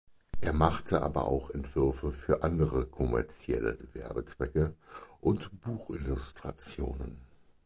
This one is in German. Er machte aber auch Entwürfe für andere kommerzielle Werbezwecke und Buchillustrationen.